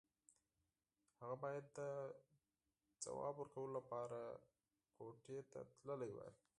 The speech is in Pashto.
هغه بايد د ځواب ورکولو لپاره کوټې ته تللی وای.